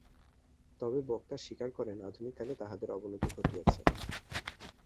তবে বক্তা স্বীকার করেন, আধুনিক কালে তাঁহাদের অবনতি ঘটিয়াছে।